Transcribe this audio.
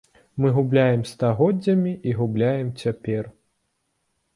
Мы гублялі стагоддзямі і губляем цяпер.